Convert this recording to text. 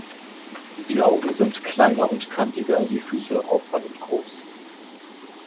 Die Augen sind kleiner und kantiger, die Füße auffallend groß.